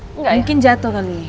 mungkin jatuh kali